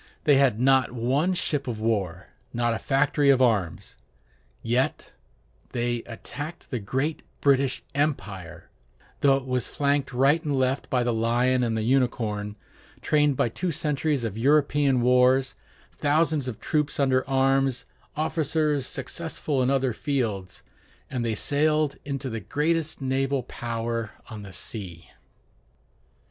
They had not one ship of war, not a factory of arms. Yet they attacked the great British empire, though it was flanked right and left by the lion and the unicorn, trained by two centuries of European wars, thousands of troops under arms, officers successful in other fields, and they sailed into the greatest naval power on the sea.